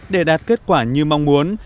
để đạt kết quả như mong muốn